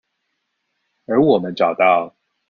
而我們找到